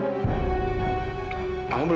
baru pulang kamu edo